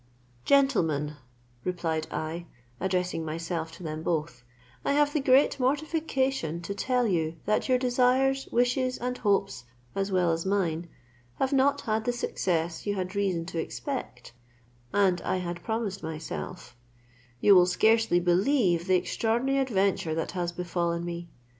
"Gentlemen," replied I, addressing myself to them both, "I have the great mortification to tell you, that your desires, wishes, and hopes, as well as mine, have not had the success you had reason to expect, and I had promised myself; you will scarcely believe the extraordinary adventure that has befallen me.